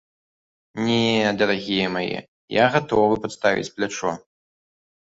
Не, дарагія мае, я гатовы падставіць плячо.